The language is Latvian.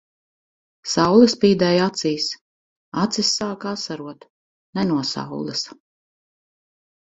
Saule spīdēja acīs. Acis sāka asarot. Ne no saules.